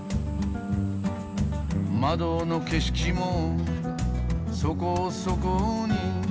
「窓の景色もそこそこに」